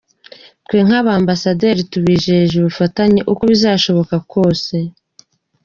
Twe nk’Ambasade tubijeje ubufatanye uko bizashoboka kose.